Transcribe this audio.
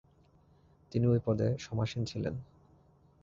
তিনি ঐ পদে সমাসীন ছিলেন।